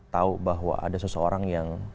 tahu bahwa ada seseorang yang